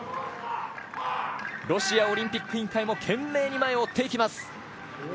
ロシアオリンピック委員会も懸命に前を追っていきます。